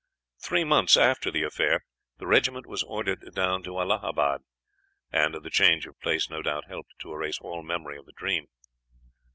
Three months after the affair the regiment was ordered down to Allahabad, and the change of place no doubt helped to erase all memory of the dream.